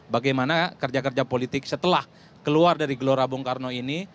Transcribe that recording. bagaimana kerja kerja politik setelah keluar dari gelora bung karno ini